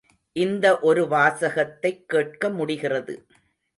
இந்த ஒரு வாசகத்தைக் கேட்க முடிகிறது.